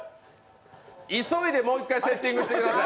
急いでもう一回セッティングしてください。